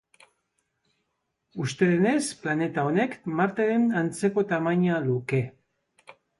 Uste denez, planeta honek Marteren antzeko tamaina luke.